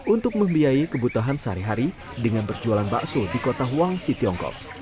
untuk membiayai kebutuhan sehari hari dengan berjualan bakso di kota huangsi tiongkok